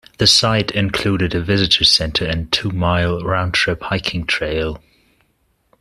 The site includes a visitor center and two-mile roundtrip hiking trail.